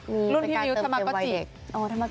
มีรุ่นพี่มิวธรรมกาจิก